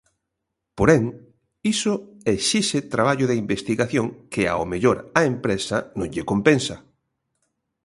Porén, iso exixe traballo de investigación que ao mellor á empresa non lle compensa.